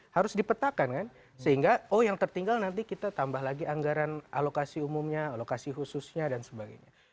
harus dipetakan kan sehingga oh yang tertinggal nanti kita tambah lagi anggaran alokasi umumnya alokasi khususnya dan sebagainya